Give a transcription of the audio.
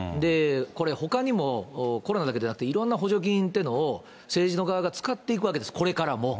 これ、ほかにも、コロナだけではなくて、いろんな補助金というのを、政治の側が使っていくわけです、これからも。